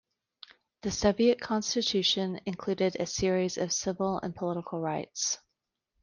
The Soviet Constitution included a series of civil and political rights.